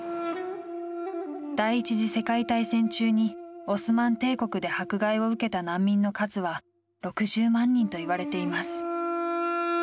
第１次世界大戦中にオスマン帝国で迫害を受けた難民の数は６０万人といわれています。